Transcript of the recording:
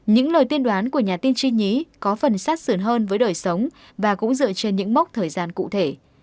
những lời tiên đoán của nhà tiên tri nhí có phần sát sườn hơn với đời sống và cũng dựa trên những mốc thời gian cụ thể